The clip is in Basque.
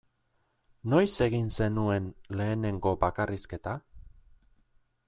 Noiz egin zenuen lehenengo bakarrizketa?